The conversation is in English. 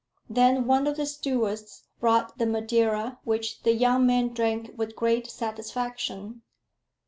Then one of the stewards brought the madeira, which the young man drank with great satisfaction.